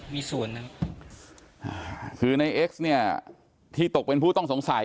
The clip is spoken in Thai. มีส่วนฮะคือนายเอ็กซเนี้ยที่ตกเป็นผู้ต้องสงสัย